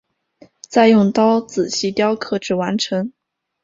再用刀仔细雕刻至完成。